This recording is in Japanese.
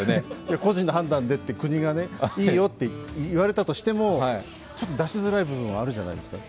個人の判断でって、国がいいよって言われたとしてもちょっと出しづらい部分はあるじゃないですか。